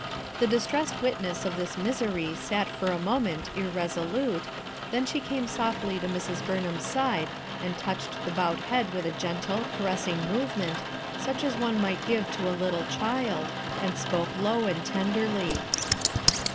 The distressed witness of this misery sat for a moment irresolute, then she came softly to Mrs, BurrJham's side and touched the bowed head with a gentle, caressing movement such FOR MAYBELLE'S SAKE 207 as one might give to a little child, and spoke low and tenderly.